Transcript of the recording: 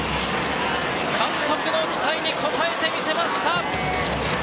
監督の期待に応えてみせました。